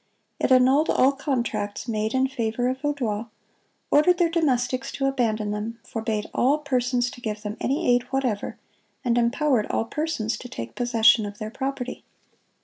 It annulled all contracts made in favor of Vaudois, ordered their domestics to abandon them, forbade all persons to give them any aid whatever, and empowered all persons to take possession of their property."